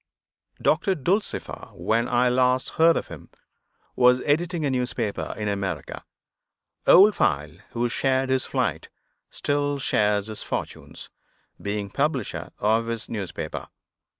Doctor Dulcifer, when I last heard of him, was editing a newspaper in America. Old File, who shared his flight, still shares his fortunes, being publisher of his newspaper.